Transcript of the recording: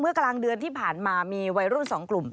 กลางเดือนที่ผ่านมามีวัยรุ่น๒กลุ่ม